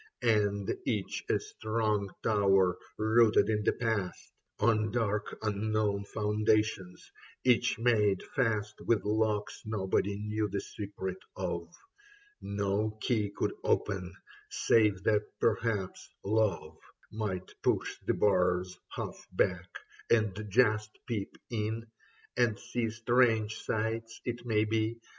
And each a strong tower rooted in the past On dark unknown foundations, each made fast With locks nobody knew the secret of. No key could open : save that perhaps love Might push the bars half back and just peep in — And see strange sights, it may be.